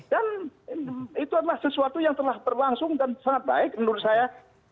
dan itu adalah sesuatu yang telah berlangsung dan sangat baik menurut saya